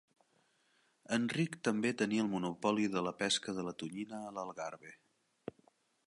Enric també tenia el monopoli de la pesca de la tonyina a l'Algarve.